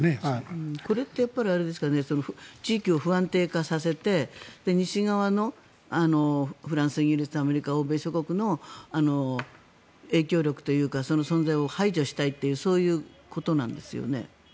これって地域を不安定化させて西側のフランス、イギリスアメリカ、欧米諸国の影響力というかその存在を排除したいというそうですね。